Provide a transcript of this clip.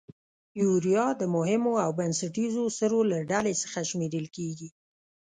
یوریا د مهمو او بنسټیزو سرو له ډلې څخه شمیرل کیږي.